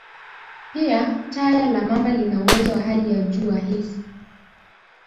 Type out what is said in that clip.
Pia, taya la mamba lina uwezo wa hali ya juu wa hisi.